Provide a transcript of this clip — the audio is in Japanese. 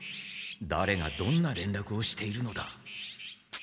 だれがどんな連絡をしているのだ？